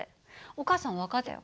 お母さん分かってたよ。